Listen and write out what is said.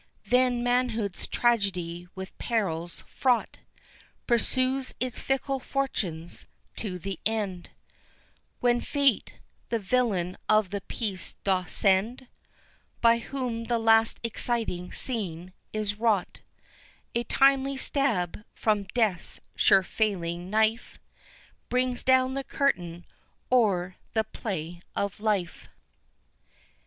Then manhood's tragedy with perils fraught, Pursues its fickle fortunes to the end, When Fate, the villain of the piece doth send By whom the last exciting scene is wrought; A timely stab from Death's sure falling knife Brings down the curtain o'er the play of life.